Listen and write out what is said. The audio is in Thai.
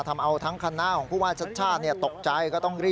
ทำเอาทั้งคณะของผู้ว่าชาติตกใจ